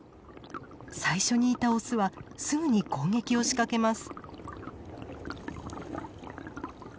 最初にいたオスはすぐに攻撃を仕掛けます。